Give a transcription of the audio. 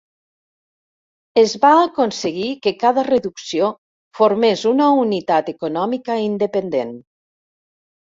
Es va aconseguir que cada reducció formés una unitat econòmica independent.